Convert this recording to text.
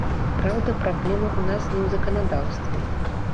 Праўда, праблема ў нас не ў заканадаўстве.